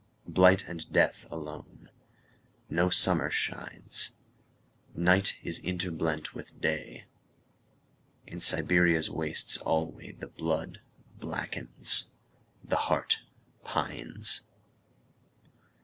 Blight and death alone.No summer shines. Night is interblent with Day.In Siberia's wastes alwayThe blood blackens, the heart pines.